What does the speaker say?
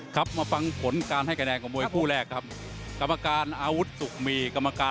หมวงมีเยี่ยมกับรวมงานและก็นี่เดียวที่ตืดมาค่ะ